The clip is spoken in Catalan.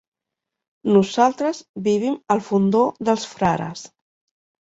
Nosaltres vivim al Fondó dels Frares.